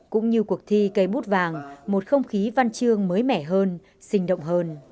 cũng như cuộc thi cây bút vàng một không khí văn chương mới mẻ hơn sinh động hơn